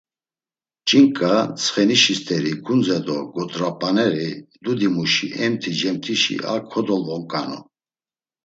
Ç̌inǩa, tsxenişi st̆eri gundze do godrap̌aneri dudimuşi emti cemt̆işi a kodolvonǩanu.